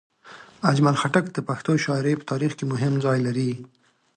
اجمل خټک د پښتو شاعرۍ په تاریخ کې مهم ځای لري.